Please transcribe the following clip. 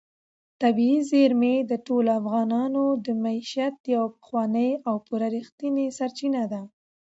طبیعي زیرمې د ټولو افغانانو د معیشت یوه پخوانۍ او پوره رښتینې سرچینه ده.